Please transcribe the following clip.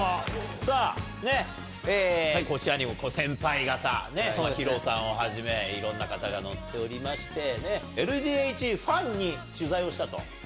さあね、こちらにいる先輩方ね、ＨＩＲＯさんをはじめ、いろんな方が載っておりまして、ＬＤＨファンに取材をしたと。